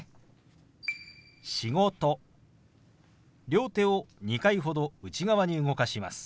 両手を２回ほど内側に動かします。